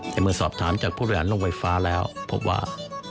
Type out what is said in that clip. แต่เมื่อสอบถามจากผู้บริหารโรงไฟฟ้าแล้วพบว่า